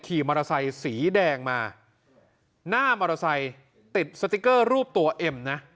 ขี่มอเตอร์ไซค์สีแดงมาหน้ามอเตอร์ไซค์ติดสติ๊กเกอร์รูปตัวเอ็มนะ